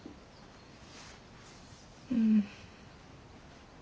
うん。